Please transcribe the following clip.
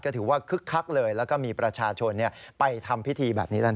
ถือว่าคึกคักเลยแล้วก็มีประชาชนไปทำพิธีแบบนี้แล้วนะ